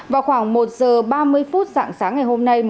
vào khoảng một giờ ba mươi phút dạng sáng ngày hôm nay